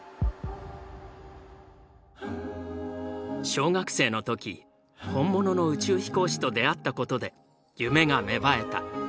小学生の時本物の宇宙飛行士と出会ったことで夢が芽生えた。